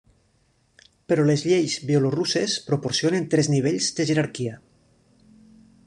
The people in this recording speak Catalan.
Però les lleis bielorusses proporcionen tres nivells de jerarquia.